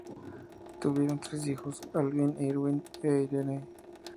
Tuvieron tres hijos: Alvin, Irwin e Irene.